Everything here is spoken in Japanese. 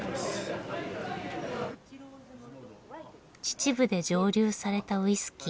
秩父で蒸留されたウイスキー。